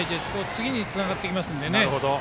次につながってきますので。